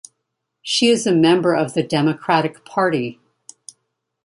She is a member of the Democratic Party.